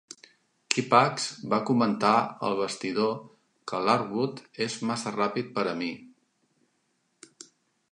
Kippax va comentar al vestidor que Larwood "és massa ràpid per a mi".